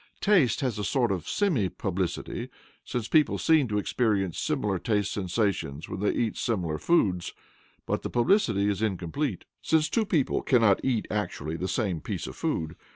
Taste has a sort of semi publicity, since people seem to experience similar taste sensations when they eat similar foods; but the publicity is incomplete, since two people cannot eat actually the same piece of food.